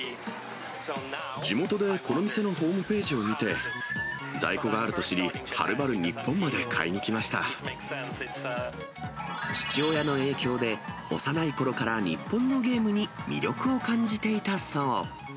地元でこの店のホームページを見て、在庫があると知り、父親の影響で、幼いころから日本のゲームに魅力を感じていたそう。